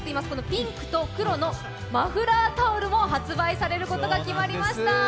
ピンクと黒のマフラータオルも発売されることが決まりました。